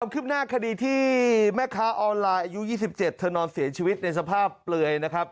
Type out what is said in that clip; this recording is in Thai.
ขึ้นหน้าคดีที่แม่ค้าออนไลน์อายุ๒๗เธอนอนเสียชีวิตในสภาพเปลือยนะครับ